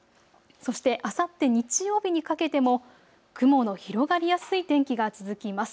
そしてあさって日曜日にかけても雲の広がりやすい天気が続きます。